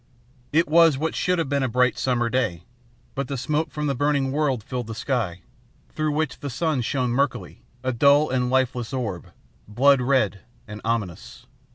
"It was what should have been a bright summer day, but the smoke from the burning world filled the sky, through which the sun shone murkily, a dull and lifeless orb, blood red and ominous.